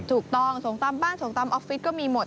ถูกต้องส่งตามบ้านส่งตามออฟฟิศก็มีหมด